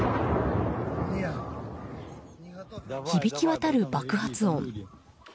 響き渡る爆発音。